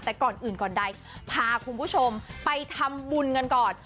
แต่ก่อนอื่นก่อนใดพาคุณผู้ชมไปทำบุญกันก่อน